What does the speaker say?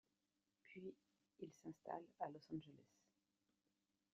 Puis il s'installe à Los Angeles.